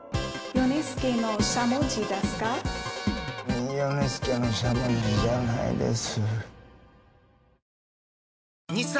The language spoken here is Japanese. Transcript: ヨネスケのしゃもじじゃないです。